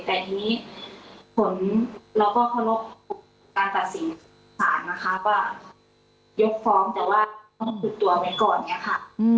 แต่ทีนี้ผลเราก็เคารพการตัดสินสารนะคะก็ยกฟ้องแต่ว่าต้องคุมตัวไว้ก่อนอย่างนี้ค่ะ